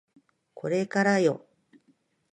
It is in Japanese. これからよ